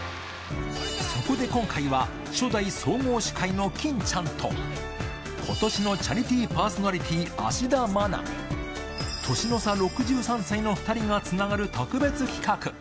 そこで今回は、初代総合司会の欽ちゃんと、ことしのチャリティーパーソナリティー、芦田愛菜、年の差６３歳の２人がつながる特別企画。